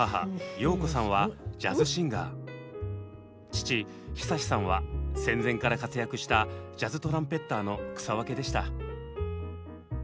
父久さんは戦前から活躍したジャズトランぺッターの草分けでした。